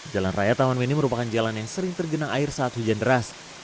jalan raya taman mini merupakan jalan yang sering tergenang air saat hujan deras